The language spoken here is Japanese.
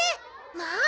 まあ！